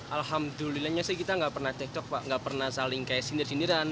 alhamdulillahnya sih kita nggak pernah cekcok pak nggak pernah saling kayak sindir sindiran